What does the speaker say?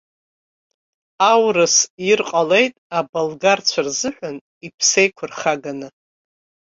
Аурыс ир ҟалеит аболгарцәа рзыҳәан иԥсеиқәырхаганы.